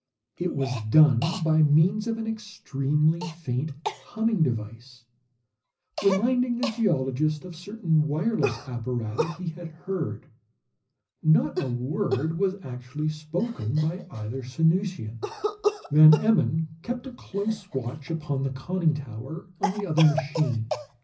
It was done by means of an extremely faint humming device, reminding the geologist of certain wireless apparata he had heard. Not a word was actually spoken by either Sanusian. Van Emmon kept a close watch upon the conning tower on the other machine.